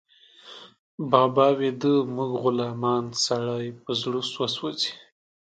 بابا ويده، موږ غلامان، سړی په زړه وسوځي